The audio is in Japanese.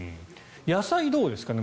野菜はどうですか？